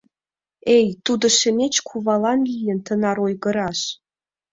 Эй, тудо Шемеч кувалан лийын тынар ойгыраш!